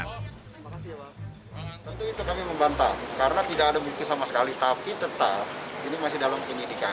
tentu itu kami membantah karena tidak ada bukti sama sekali tapi tetap ini masih dalam penyidikan